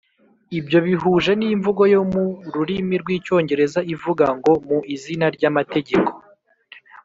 Ibyo bihuje n’imvugo yo mu rurimi rw’icyongereza ivuga ngo “mu izina ry’amategeko